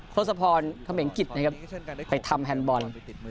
โฆษพรเข้าเป็นกิตนะครับไปทำแฮนด์บอล